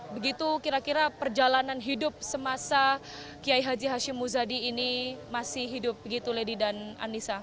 begitu kira kira perjalanan hidup semasa kiai haji hashim muzadi ini masih hidup begitu lady dan anissa